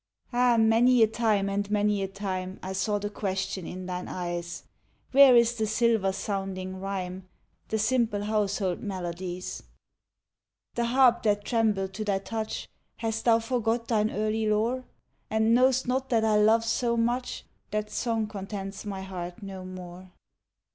Ah, many a time, and many a time I saw the question in thine eyes, Where is the silver sounding rhyme, The simple household melodies, The harp that trembled to thy touch; Hast thou forgot thine early lore? And know'st not that I love so much, That song contents my heart no more.